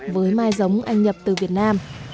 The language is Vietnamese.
với mai giống anh nhập từ việt nam